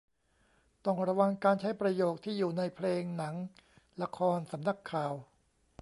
ต้องระวังการใช้ประโยคที่อยู่ในเพลง หนัง ละคร สำนักข่าว